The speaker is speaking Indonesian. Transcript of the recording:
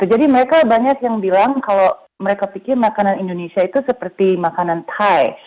jadi mereka banyak yang bilang kalau mereka pikir makanan indonesia itu seperti makanan thai